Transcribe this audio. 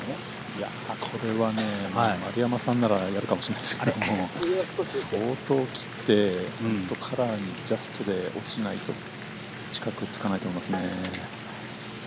いや、これはね丸山さんならやるかもしれないですけど相当切ってカラーにジャストで落ちないと近くにつかないと思いますね。